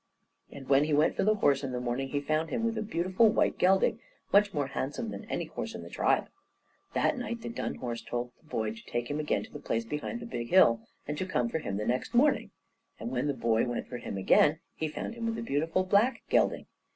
And when he went for the horse in the morning, he found with him a beautiful white gelding, much more handsome than any horse in the tribe. That night the dun horse told the boy to take him again to the place behind the big hill, and to come for him the next morning; and when the boy went for him again, he found with him a beautiful black gelding.